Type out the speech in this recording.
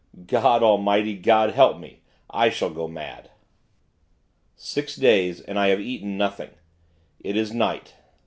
God, Almighty God, help me! I shall go mad. Six days, and I have eaten nothing. It is night.